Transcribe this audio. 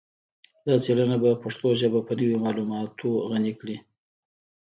دا څیړنه به پښتو ژبه په نوي معلوماتو غني کړي